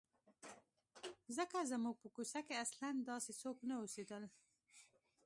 ځکه زموږ په کوڅه کې اصلاً داسې څوک نه اوسېدل.